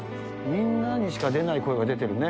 みんなにしか出ない声が出てるね。